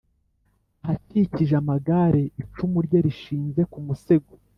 Ahakikije amagare icumu rye rishinze ku musego